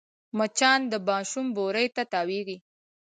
مچان د ماشوم بوري ته تاوېږي